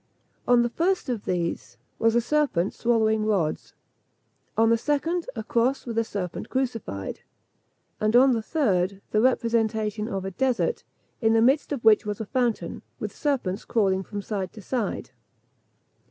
On the first of these was a serpent swallowing rods; on the second, a cross with a serpent crucified; and on the third, the representation of a desert, in the midst of which was a fountain, with serpents crawling from side to side.